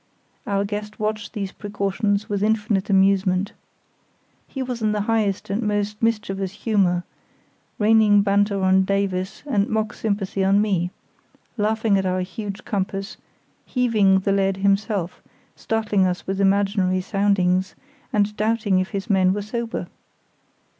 Our guest watched these precautions with infinite amusement. He was in the highest and most mischievous humour, raining banter on Davies and mock sympathy on me, laughing at our huge compass, heaving the lead himself, startling us with imaginary soundings, and doubting if his men were sober.